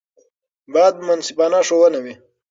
باید منصفانه ښوونه وي.